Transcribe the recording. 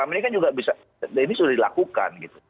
ini sudah dilakukan